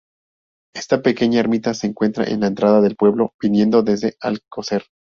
Esta pequeña ermita se encuentra a la entrada del pueblo, viniendo desde Alcocer.